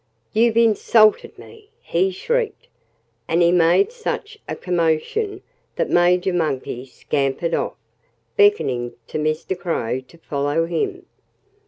"You've insulted me!" he shrieked. And he made such a commotion that Major Monkey scampered off, beckoning to Mr. Crow to follow him.